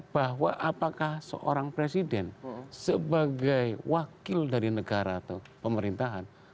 bahwa apakah seorang presiden sebagai wakil dari negara atau pemerintahan